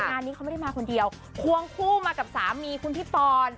งานนี้เขาไม่ได้มาคนเดียวควงคู่มากับสามีคุณพี่ปอน